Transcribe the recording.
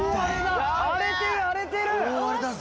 荒れてる荒れてる！